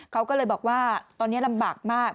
เขาก็เลยบอกว่าตอนนี้ลำบากมาก